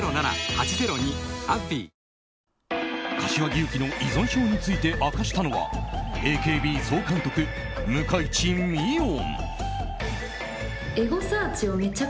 柏木由紀の依存症について明かしたのはＡＫＢ総監督、向井地美音。